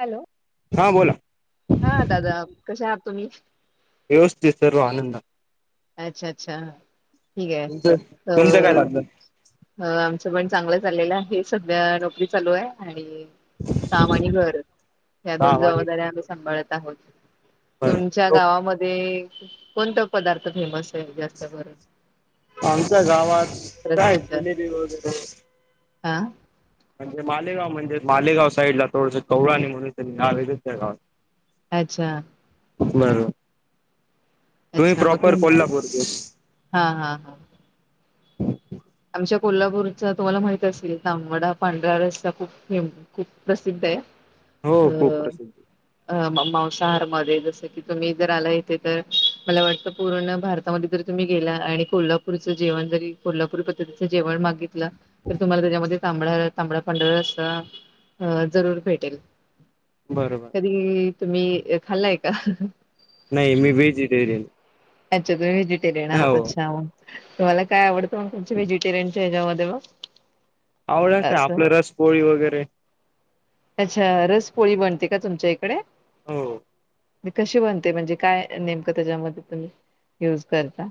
Hello? हा बोला, हा दादा कसे आहात तुम्ही, व्यवस्थित सर्व आनंद. अच्छा अच्छा ठीक आहे तुमचं अ तुमचं काय चाललं अ, पण चांगलं चाललेलं आहे, हे सध्या नोकरी चालू आहे. आणि काम आणि घर ह्या दोन गावाने जबाबदारी्या आम्ही सांभाळत आहोत. बर तुमच्या लोक गावामध्ये कोणता पदार्थ फेमस आहे, आमच्या गावात काय प्रसिद्ध जिलेबी वगैरे, हा म्हणजे मालेगाव म्हणजे मालेगाव साईड ला थोडस, कवळा आणि म्हणून त्यांनी ना वेगच त्या गावात, अच्छा, बर, तुमही अच्छा मग प्रॉपर तू कोल्हापूर चे, हा हा हा आमच्या कोल्हापूरचा तुम्हाला माहित असेल, तांमवडा पांढरा रस्ता खूपेम खूप प्रसिद्ध आहे. हो खूप ह प्रसिद्ध अ म, मावसाहार मध्ये जसं की तुम्ही आला हिते, आणि कोल्हापूर जेवण, तांबड्या तांबड्या पांढरा, बरोबर कधी तुम्ही खाल्लाय का नाही मी भेजी देली अच्छ तुम्ही व्जटरियन आहात छा तुम्हाला काय आवडतं मग व्हेजिटेरियनच्या ह्याच्यामध्ये म आवड काय आपलं रसपोळी वगैरे अच्छा रसपोळी बनते का तुमच्या इकडे हो म कशी बनते म्हणजे काय नेमकं त्याच्यामध्ये तुम्ही युज करता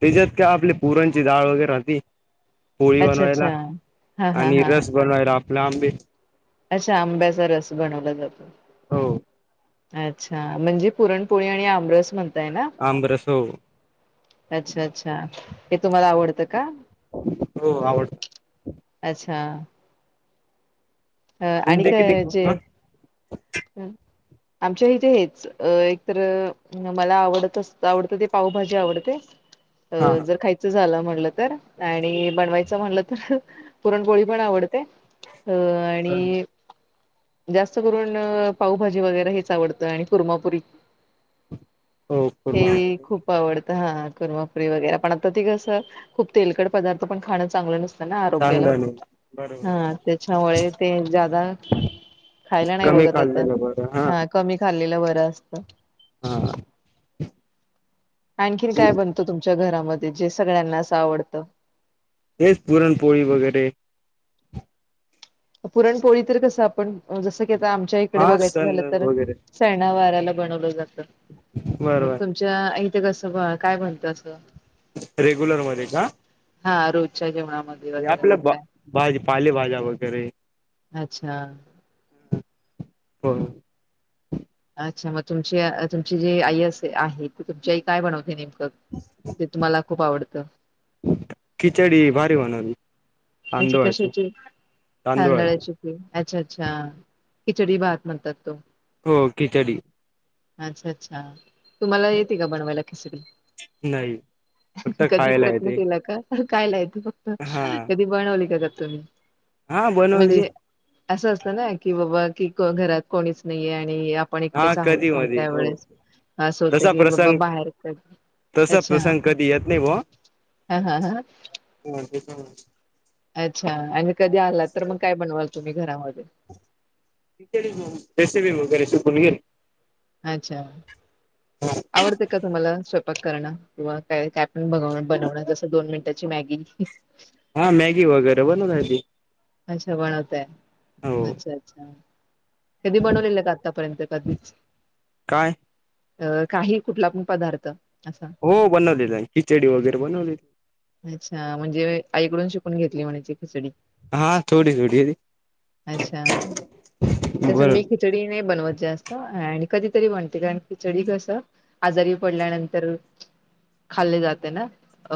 त्याच्यात का आपली पुरणची डाळ वगैरे त पोळी अच्छा अच्छा बनवायला हा हा आणि हा रस बनवायला आपले आंबे अच्छा आंब्याचा रस बनवला जातो हो अच्छा म्हणजे पुरणपोळी आणि आमरस म्हणत आमंग रस हो अच्छा अच्छा हे तुम्हाला आवडतं का हो आवडत अच्छा अ आणि तुमचे का किती जे पूर्ण हम् आमच्या इथे हेच एक तर मला आवडत आवडत ते पावभाजी आवडते अ हा हा जर खायचं झाला म्हण तर आणि बनवायच म्हणलं तर पुरणपोळी पण आवडते अ आणि जास्त करून पण पावभाजी वगैरे हेच आवडतं आणि कुर्मापुरी हो पूर्ण हे आवडतं. खूप आवडत हा करुरमापुरी वगैरे पण आता ती कसं खूप तेलकड पदार्थ पण खाणं चांगलं नसतं आरोग्याला चांगलं नाही बरोबर हा त्याच्यामुळे ते ज नाही कमी बघत आता खाल्लेलं बरं हा कमी खाल्लेलं बर असत हा आणखीन काय बनतं तुमच्या घरामध्ये जे सगळ्यांना असं आवडतं हेच पुरणपोळी वगैरे पुरणपोळी तर कसं आपण जस की आता आमच्या इकडे हा बघायचं सण झालं तर वगैरे सणा वाराला बनवलं जात मग बरोबर तुमच्या इथ कस काय म्हणत अस रेग्युलर मध्ये का हा रोजच्या जेवणा आपल्या भाजी पालेभाज्या वगैरे अच्छा हो अच्छा मग तुमची तुमची जी आई अस आहे त तुमची आई काय बनवते नेमकी ते तुम्हाला खूप आवडतं खिचडी भारी बनवली अच्छा तांदुळाची कशाची तांदुळाची तांदळाची क अच्छा अच्छा खिचडी भात म्हणतात तो हो खिचडी अच्छा अच्छा तुम्हाला येते का बनवायला खिचडी नाही फक्त कधी खायला प्रयत्न येते केला का कायलायते फक्त हा कधी बनवली का का तुम्ही हा बनवली म्हणजे असं असलं ना की बाबा की घरात कोणीच नाहीये आणि आणि आपण हा एकटेच कधी आहोत मधी हो त्यावेळेस तसा प्रसंग तसा अच्छा प्रसंग कधी येत नाही व हा हा हा ह ते अच्छा आणि कधी आला तर मग काय बनवाल तुम्ही घरामध्ये टी करीन मग रेसिपी वगैरे शिकून घेइन. अच्छा आवडते का तुम्हाला स्वयं पाक करण किंवा का काय पण ब बनवण जस दोन मिनिटाची मॅगी हा मॅगी वगैरे बनवली अच्छा बनवताय हो अच्छा अच्छा कधी बनवलेलं का आतापर्यंत कधीच काय अ काही कुठला पण पदार्थ असा? हो बनवलेलं आहे खिचडी वगैरे बनवलेली अच्छा म्हणजे आईकडून शिकून घेतली म्हणायची खिचडी. हा थोडी थोडी अच्छा तस बर मी खिचडी नाही बनवत. जास्त आणि कधीतरी बनते कारण खिचडी कस आजारी पडल्यानंतर खाल्ले जाते ना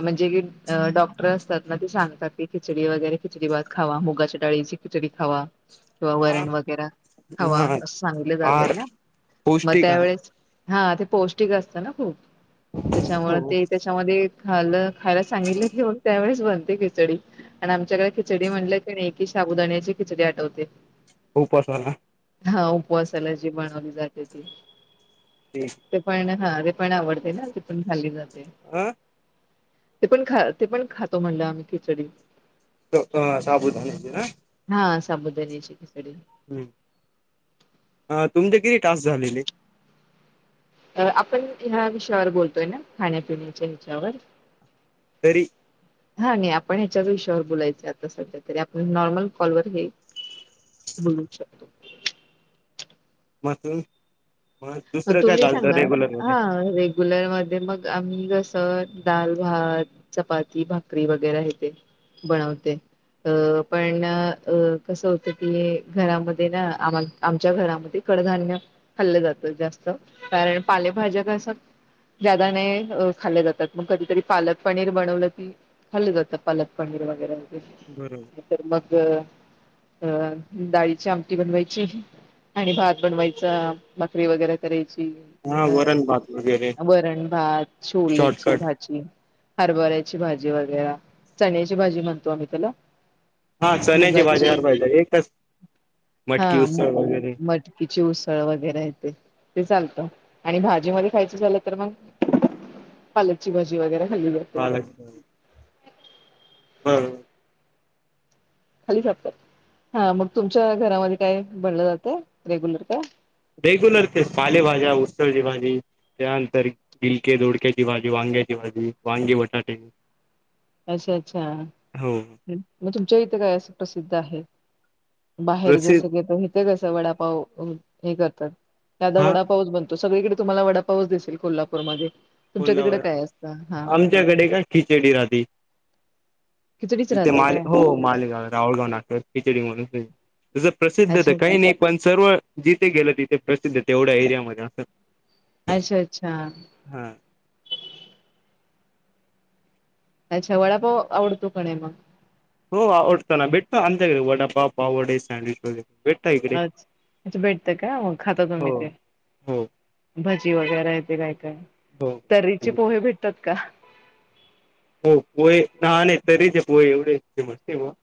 म्हणजे की, अ डॉक्टर असतात ना ते सांगतात की, खिचडी वगैरे खिचडी भात खावा. मुगाच्या डाळीची खिचडी खावा. किंवा हा वरण वगैरे खावा हा अस सांगितलं जातय आहार ना म पौष्टिक आहार त्यावेेळेस हा ते पौष्टिक असत ना खूप त्याच्यामुळ हो ते त्याच्यामध्ये खालं खा सांगितले त्यावेळेस बनं ते खिचडी आणि आमच्याकडे खिचडी म्हणल की नय की शाबुदाण्याची खिचडी आठवते. उपासाला हा उपवासाला जी बनवली जाते ती ते पाय ना हा ते पण आवडते ना ती पण खाल्ली जात आं ते पण खा ते पण खातो म्हणलं आम्ही खिचडी. अ साबुदान्याची ना हा साबुदाण्याची खिचडी हम् अ तुमचे किती टाक्स झालेले. अ आपण ह्या विषयावर बोलतोय ना खाण्यापिण्याच्या ह्याच्यावर तरी हा नाही आपण ह्याच्याच विषयावर बोलायच आता सध्या तरी आपण नॉर्मल कॉलवर हे बोलू शकतो. म आत म तुम्ही सांगा हा रेग्युलर मध्ये मग आम्ही जस दाल भात चपाती भाकरी वगैरे हे ते बनवते. अ पण अ कसं होत की घरामध्ये ना आम्हाला आमच्या घरामध्ये कडधान्य खाल्लं जातं जास्त कारण पालेभाज्या कस जादा नाही खाले जातात मग कधीतरी पालक पनीर बनवलं की, खाल्लं जातं पालक पनीर वगैरे वगैरे बरोबर नायतर मग अ डाळीची आमटी बनवायची आणि भात बनवायचा भा करी वगैरे करयची. हा वरण भात वगैरे वरण भात छोलेची शॉर्टकट भाजी हरभऱ्याची भाजी वगैरां चण्याची भाजी म्हणतो आम्ही त्याला हा चण्याची भाजी मुगाची हरबऱ्या एकच हा मटकी मु उसळ वगैरे मटकीची उसळ वगैरे. ते चालतं आणि भाजी मध्ये खायचं झालं तर मग पालकची भाजी वगैरे खाल्ली जाते वालाची पण [unintelligible] खाली झोपतात हा मग तुमच्या घरामध्ये काय बनलं जातय रेग्युलर काय? रेग्युलर ते पालेभाज्या उसळची भाजी त्यानंतर बलके दोडक्याची भाजी वांग्याची भाजी वांगी बटाटे अच्छा अच्छा हो म तुमच्या इथे काय असं प्रसिद्ध आहे. बाहेर प्रसिद्ध जसं की इथे कस वडापाव हे करतात त्या आता हा वडापावच बनत. तो सगळीकडे तुम्हाला वडापावस दिसेल कोल्हापूरमध्येध्ये आमच्याकडे का खिचडी राहते. खिचडीच इथे राहते माले काय? हो मालेगाव रावळगाव राहतो खिचडी म्हणून जसं प्रसिद्धत अच्छा अच्छा काही नाही पण सर्व जिथे गेलं तिथे प्रसिद्ध ते एवढ्या एरियामध्ये असं. अच्छा अच्छा. हा अच्छा वडापाव आवडतो का नाय मग हो आवडतो ना भेटतो ना आमच्याकडे वडापाव पाववडे सॅँडविच वगैरे भेटता इकडे अच् अच्छा भेटते का मग खाता तुम्ही हो ते हो भजी वगैरे येत काय काय हो तररीचे पोहे भेटतात. का हो पोय ना नाही तरीच पोय एवढेमस्ते ब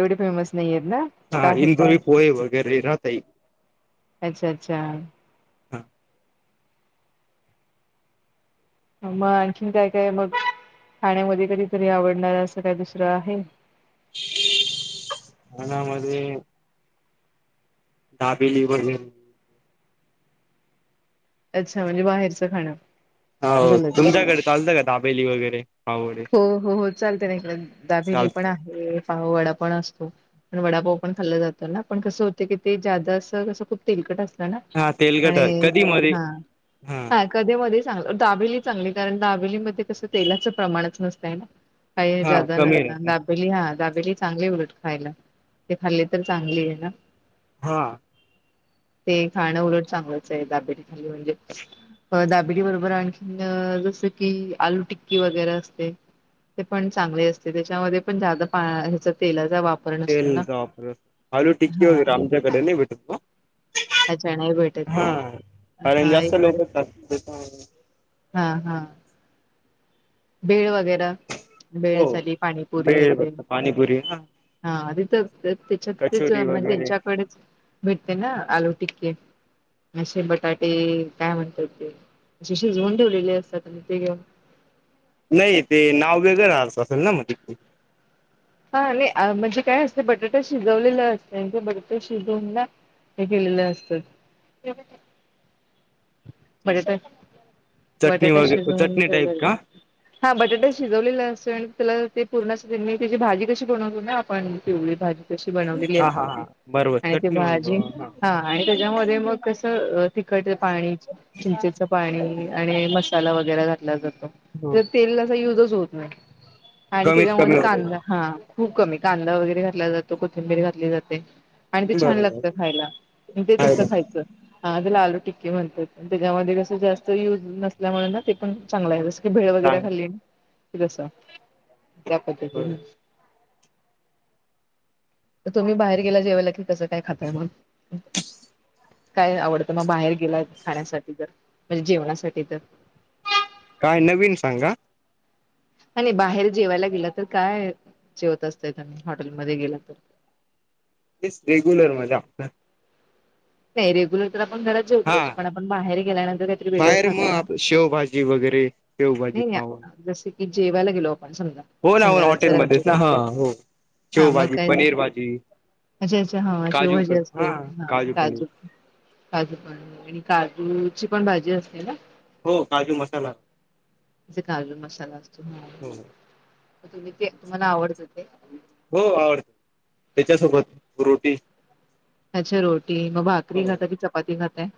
एवढे फेमस नाही आहेत ना का हा आहेत? इंदुरी पोहे वगैरे राहत अच्छा अच्छा. मग आणखीन काय काय मग खाण्यामध्ये कधीतरी आवडणार असं काय दुसरं आहे खाण्यामध्ये दाबेली वगैरे अच्छा म्हणजे बाहेरचं खाणं हो झालं ते तुमच्याकडे चालतं का दाबेली वगैरे पाववडे हो हो हो चालते ना इकडे दाबेली पण चालत आहे पाव वडा पण असतो पण वडापाव पण खाल्लं जातो ना पण कसं होते की ते ज्यादा अस कसं खूप तेलकट असत हा तेलकट आणि कधी मध्ये हा हा कधी मधे दाबेली चांगली कारण दाबेलीमध्ये कस तेलाच प्रमाणच नसतय ना काही हा जादा कमी नसत राहत दाबेली हा दाब चांगले उलट खायला ते खाल्ले तर चांगली आहे ना हा ते खाणं उलट चांगलंच आहे दाबेली खाल्ली म्हणजे दाबेली बरोबर आणखीन जसं की आलू टिक्की वगैरे असते ते पण चांगले असते त्याच्यामध्ये पण जादा पा ह्याचा तेलाचा वापर तेल नसतो ना वापर आलू टिक्की हा वगैरे आमच्याकडे नाही भेटू अच्छा नाही भेटत हा काय कारण हा जास्त इकडे लोक हा हा भेळ वगैर भेळ हो झाली पाणीपुरी भेळ येते पाणीपुरी हा हा तिथ त्याच्यातच कचोरी म्हणजे वगैरे त्यांच्याकडेच भेटते ना आलू टिक्के असे बटाटे काय म्हणतात ते अशी शिजवून ठेवलेले असतात आणि ते घेऊन नाही ते नाव वेगळ असेल ना मग त हा म्हणजे काय असते बटाटा शिजवलेलं असते ते बटाटा शिजवून ना हे केलेलं असत बघ काय चटणी बटाटा वगैरे शिजवून चटणी टाईप ठेवलेला का हा बटाटा शिजवलेला अस त्याला ते पूर्ण मी त्याची भाजी कशी बनव ना आपण पिवळी भाजी बटाट्याची बनवलेली हा हा असते ती हा बरोबर आणि त चटणी म्हणतो भाजी हा ह मध्ये मग कसं तखट पाणी चिंचेच पाणी आणि मसाला वगैरे घातला जातो हो तर तेल कसं युजच होत नाही आणि कमीत त्याच्यामध्ये कमी होतो का कांदा हा खूप कमी कांदा वगैरे घातला जातो कोथिंबीर घातली जाते. आणि ते छान बरोबर लागत खायला ते आहे तसं ना खायचं लालू [unintelligible] म्हणतात. त्याच्यामध्ये कसं जास्त यूज नसल्यामुळे ना तेपण चांगलं आहे तसं. ते भेळ वगैरे सांग खाल्ली, जसं त्या बर पद्धतीनं. तर तुम्ही बाहेर गेला जेवायला की, कसं काय खाताय मग? काय आवडतं मग बाहेर गेलाय खाण्यासाठी तर, म्हणजे जेवणासाठी तर. काय नवीन सांगा? आणि बाहेर जेवायला गेला, तर काय जेवत असतायसा, हॉटेलमध्ये गेला तर? [unintelligible] धिस रेग्युलर मजा फक्त. नाही रेगुलर तर आपण घरात हा जेवतोच, पण आपण बाहेर गेल्यानंतर काहीतरी वेगळं बाहेर खातो मग ना? आप शेवभाजी वगैरे शेवभाजी नाही, पाव जसे की जेवायला गेलो समजा, हो ना हो ना संध्याकाळच हॉटेलमध्येच ना रात्रीचं हा हो हा मग शेवभाजी काय? पनीर भाजी अच्छा, अच्छा हा काजू शेवभाजी हा असते. हा. पनीर काजू, काजू पनीर आणि काजूचीपण भाजी असते ना? हो, काजू मसाला. जे कालू मसाला असतो हो तुम्ही ते, तुम्हाला आवडतं ते? हो आवडत त्याच्यासोबत रोटी. अच्छा रोटी, मग भाकरी हो खाता की चपाती खाताय?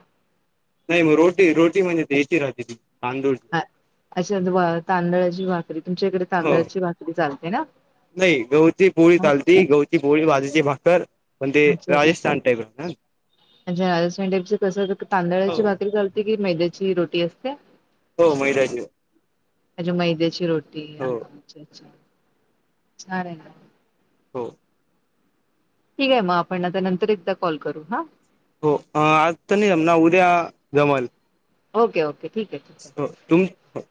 नाही मग रोटी, रोटी म्हणजे देशी राहतेय ती. तांदूळ अ अशीच म तांदळची भाकरी, तुमच्या इकडे हो तांदळची भाकरी चालते ना. नाही गहुची पोळी हा, चालते, गहुची पोळी बाजरीची भा कर म्हणजे अच्छा अच्छा राजस्थान टाईप, हं. अच्छा, [unintelligible] तांदळाची हो भााकरी करते की, मैद्याची रोटी असत्या? हो, मैद्याचीच. म्हजे मैद्याची रोटी, हा हा अच्छा अच्छा, छान आहे. ह. ठीक आहे मग, आपण आता नंतर एकदा कॉल करू हां. हो, अं आज तर नाही जमणार, उद्या जमल. Okay, okay. ठीक आहे ठीक आहे. हो, तुम्ही